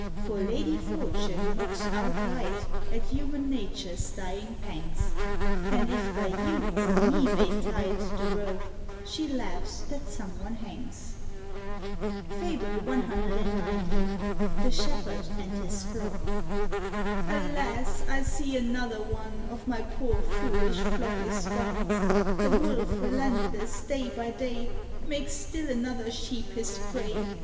For Lady Fortune mocks outright At human nature's dying pangs; And if by you or me made tight The rope, she laughs that some one hangs! FABLE CXC. THE SHEPHERD AND HIS FLOCK. "Alas! I see another one Of my poor foolish flock is gone! The wolf, relentless, day by day, Makes still another sheep his prey.